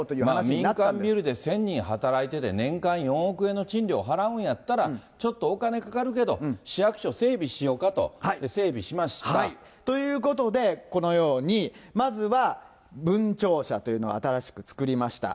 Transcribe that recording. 民間ビルで１０００人働いてて、年間４億円の賃料払うんやったら、ちょっとお金かかるけど、市役所ということで、このように、まずは分庁舎というのを新しく作りました。